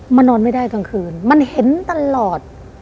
นอนไม่ได้กลางคืนมันเห็นตลอด